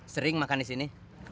sering makan di sini